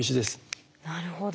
なるほど。